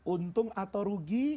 untung atau rugi